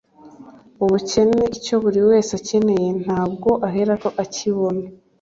ubukene… Icyo buri wese akeneye ntabwo aherako akibona